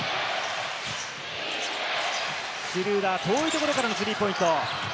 シュルーダー、遠いところからのスリーポイント。